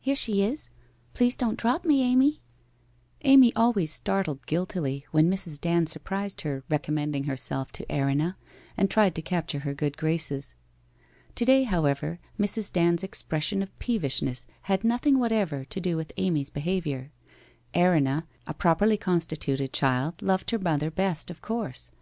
Here she is ! Please don't drop me, Amy.' Amy always started guiltily when Mrs. Dand sur prised her recommending herself to Erinna, and trying to capture her good graces. To day, however, Mrs. Dand's expression of peevishness had nothing whatever to do with Amy's behaviour. Erinna, a properly constituted child, loved her mother best, of course.